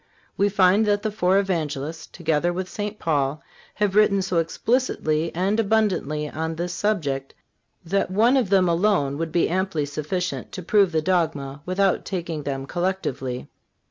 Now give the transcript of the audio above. We find that the four Evangelists, together with St. Paul, have written so explicitly and abundantly on this subject that one of them alone would be amply sufficient to prove the dogma without taking them collectively.